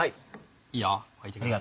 いいよ置いてください。